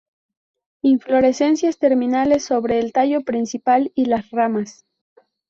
Inflorescencias terminales sobre el tallo principal y las ramas.